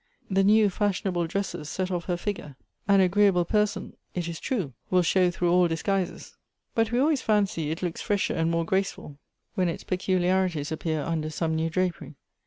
The new fashionable dresses set off her figure. An agreeable person, it is true, will show through all dis guises; but we always fancy it looks fresher and more graceful when its peculiarities appear under some new drapery.